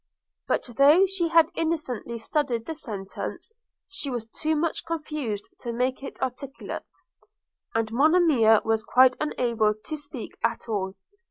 But, though she had innocently studied the sentence, she was too much confused to make it articulate; and Monimia was quite unable to speak at all.